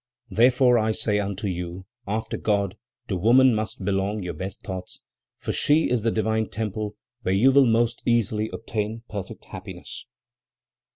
"Therefore I say unto you, after God, to woman must belong your best thoughts, for she is the divine temple where you will most easily obtain perfect happiness.